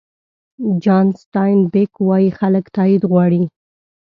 جان سټاین بېک وایي خلک تایید غواړي.